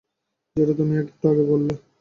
যেটা তুমি একটু আগে বললে?